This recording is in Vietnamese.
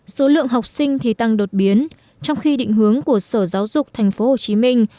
số lượng học sinh thì tăng đột biến trong khi định hướng của sở giáo dục thành phố hồ chí minh